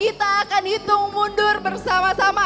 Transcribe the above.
kita akan hitung mundur bersama sama